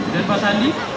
dan pak sandi